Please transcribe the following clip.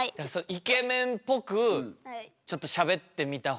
イケメンっぽくちょっとしゃべってみた方がいいかもしれない。